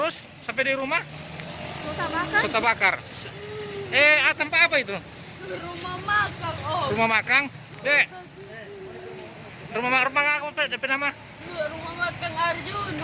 sebelum berjalan ke rumah makan rumah itu terbakar